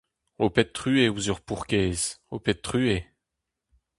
Ho pet truez ouzh ur paourkaezh !… Ho pet truez !…